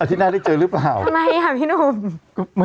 ที่หน้าได้เจอหรือเปล่าทำไมค่ะพี่หนุ่ม